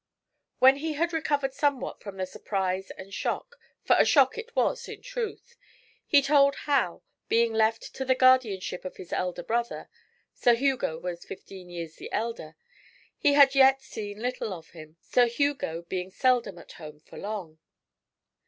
When he had recovered somewhat from the surprise and shock for a shock it was, in truth he told how, being left to the guardianship of his elder brother Sir Hugo was fifteen years the elder he had yet seen little of him, Sir Hugo being seldom at home for long.